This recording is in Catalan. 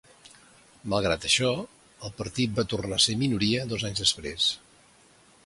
Malgrat això, el partit va tornar a ser minoria dos anys després.